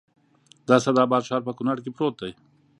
د اسداباد ښار په کونړ کې پروت دی